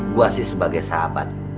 gue sih sebagai sahabat